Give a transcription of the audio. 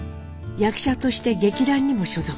役者として劇団にも所属。